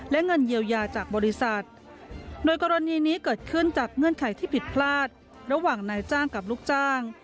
และเงินเยียวยาจากบริษัทโดยกรณีนี้เกิดขึ้นจากเงื่อนไขที่ผิดพลาดระหว่างนายจ้างกับลูกจ้าง